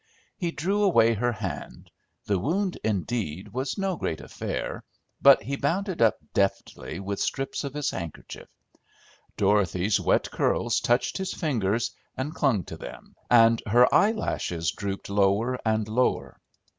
He drew away her hand; the wound, indeed, was no great affair, but he bound it up deftly with strips of his handkerchief. Dorothy's wet curls touched his fingers and clung to them, and her eyelashes drooped lower and lower.